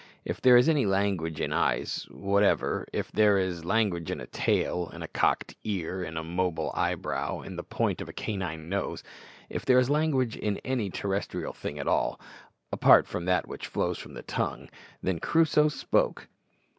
If there is any language in eyes whatever if there is language in a tail, in a cocked ear, in a mobile eyebrow, in the point of a canine nose, if there is language in any terrestrial thing at all, apart from that which flows from the tongue, then Crusoe _spoke!